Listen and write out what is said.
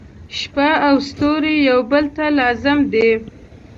• شپه او ستوري یو بل ته لازم دي.